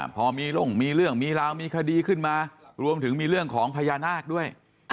พอมีร่มมีเรื่องมีราวมีคดีขึ้นมารวมถึงมีเรื่องของพญานาคด้วย